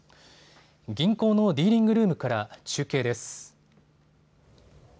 銀行のディーリングルームから中継です。